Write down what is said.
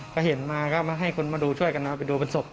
ก็เห็นมาก็มาให้คนมาดูช่วยกันเอาไปดูเป็นศพ